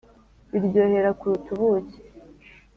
Biryohera kuruta ubuki